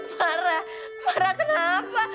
marah marah kenapa